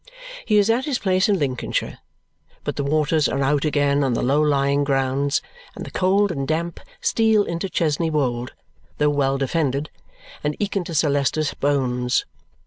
He is at his place in Lincolnshire; but the waters are out again on the low lying grounds, and the cold and damp steal into Chesney Wold, though well defended, and eke into Sir Leicester's bones.